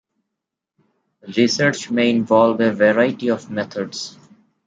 Research may involve a variety of methods.